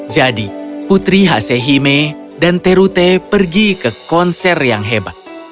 jadi putri hasehime dan terute pergi ke konser yang hebat